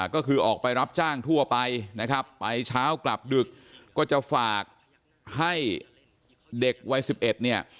ก็คือออกไปรับจ้างทั่วไปนะครับไปเช้ากลับดึกก็จะฝากให้เด็กวัย๑๑เนี่ย